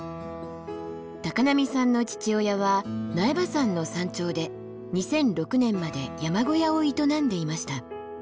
波さんの父親は苗場山の山頂で２００６年まで山小屋を営んでいました。